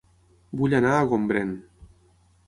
Vull anar a Gombrèn